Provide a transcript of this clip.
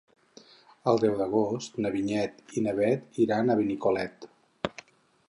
El deu d'agost na Vinyet i na Bet iran a Benicolet.